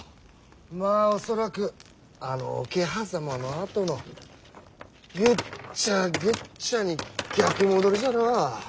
まあ恐らくあの桶狭間のあとのぐっちゃぐっちゃに逆戻りじゃなあ。